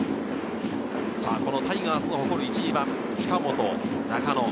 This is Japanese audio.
タイガースの誇る１・２番、近本・中野。